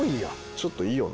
ちょっといいよな。